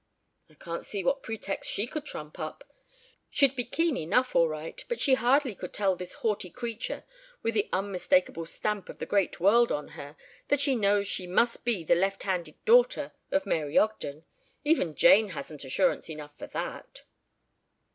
"I can't see what pretext she could trump up. She'd be keen enough, all right, but she hardly could tell this haughty creature with the unmistakable stamp of the great world on her that she knows she must be the left handed daughter of Mary Ogden. Even Jane hasn't assurance enough for that."